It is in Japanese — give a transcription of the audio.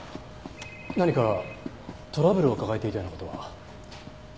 何かトラブルを抱えていたような事は？